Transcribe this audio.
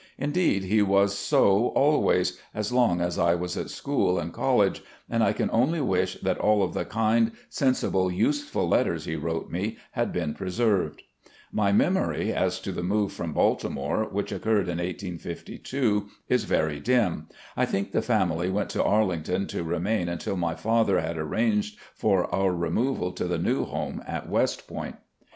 Indeed, he was so always, as long as I was at school and college, and I only wish that all of the kind, sensible, useful letters he wrote me had been preserved. My memory as to the move from Baltimore, which occurred in 1852, is very dim. I think the family went to Arlington to remain tmtil my father had arranged for our removal to the new home at West Point.